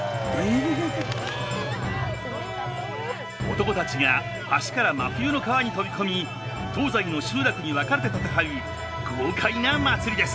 男たちが橋から真冬の川に飛び込み東西の集落に分かれて戦う豪快な祭りです。